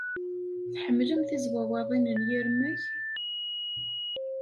Tḥemmlem tizwawaḍin n yirmeg?